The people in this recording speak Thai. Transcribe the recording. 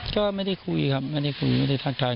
ก็ไม่ได้คุยครับไม่ได้คุยไม่ได้ทักทาย